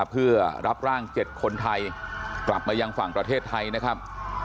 เพื่อรับร่าง๗คนไทยกลับมายังฝั่งประเทศไทยนะครับ